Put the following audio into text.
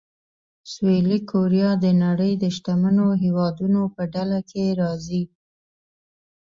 سویلي کوریا د نړۍ د شتمنو هېوادونو په ډله کې راځي.